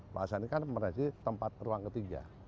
plasa ini kan meraih di tempat ruang ketiga